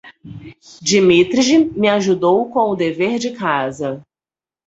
Dimitrij me ajudou com o dever de casa.